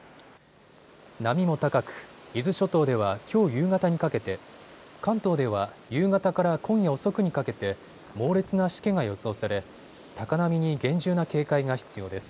波も高く伊豆諸島ではきょう夕方にかけて、関東では夕方から今夜遅くにかけて猛烈なしけが予想され高波に厳重な警戒が必要です。